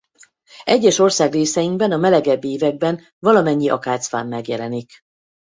Egyes országrészeinkben a melegebb években valamennyi akácfán megjelenik.